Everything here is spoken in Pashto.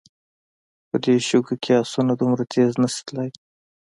په دې شګو کې آسونه دومره تېز نه شي تلای.